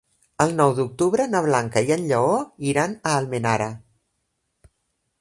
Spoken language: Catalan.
El nou d'octubre na Blanca i en Lleó iran a Almenara.